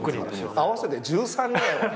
合わせて１３人。